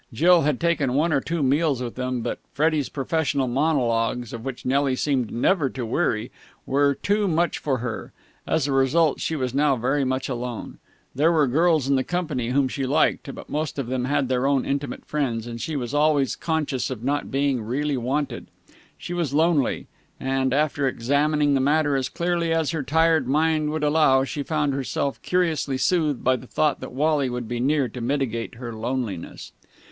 Jill had taken one or two meals with them, but Freddie's professional monologues, of which Nelly seemed never to weary, were too much for her. As a result she was now very much alone. There were girls in the company whom she liked, but most of them had their own intimate friends, and she was always conscious of not being really wanted. She was lonely, and, after examining the matter as clearly as her tired mind would allow, she found herself curiously soothed by the thought that Wally would be near to mitigate her loneliness.